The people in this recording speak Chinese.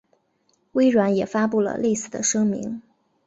微软也发布了类似的声明。